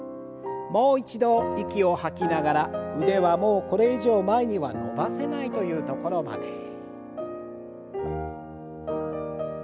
もう一度息を吐きながら腕はもうこれ以上前には伸ばせないという所まで。